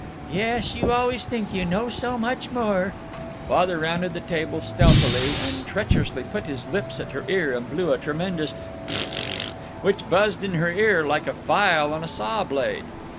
"Yes, you always think you know so much more " Father rounded the table, stealthily and treacherously put his lips at her ear, and blew a tremendous "Zzzzzzzz," which buzzed in her ear like a file on a saw blade.